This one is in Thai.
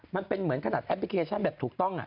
มันเป็นเหมือนขนาดแอปพลิเคชันแบบถูกต้อง